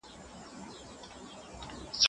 هر څه په خپل وخت او ځای ترتیب کړه.